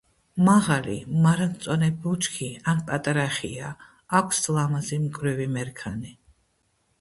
მაღალი მარადმწვანე ბუჩქი ან პატარა ხეა, აქვს ლამაზი მკვრივი მერქანი.